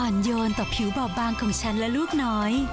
โยนต่อผิวบอบบางของฉันและลูกน้อย